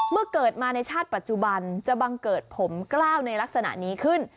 เมื่อเกิดมาในชาติปัจจุบันจะบังเกิดผมกล้าวในลักษณะนี้ขึ้น